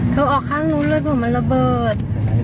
ออกข้างนู้นเลยเผื่อมันระเบิด